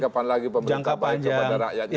kapan lagi pemerintah baik kepada rakyatnya